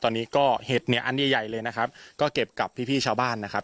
ตอนนี้ก็เห็ดเนี่ยอันใหญ่ใหญ่เลยนะครับก็เก็บกับพี่พี่ชาวบ้านนะครับ